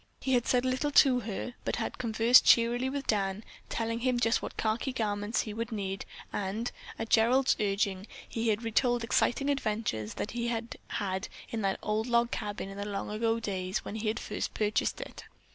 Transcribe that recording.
He had said little to her, but had conversed cheerily with Dan, telling him just what khaki garments he would need, and, at Gerald's urging, he had retold exciting adventures that he had had in that old log cabin in the long ago days, when he had first purchased it.